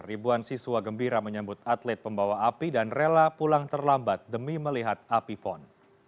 ribuan siswa gembira menyambut atlet pembawa api dan rela pulang terlambat demi melihat api pon